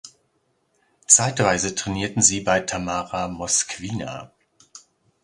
Zeitweise trainierten sie bei Tamara Moskwina.